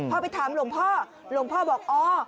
พอไปถามหลวงพ่อหลวงพ่อบอกอ๋อ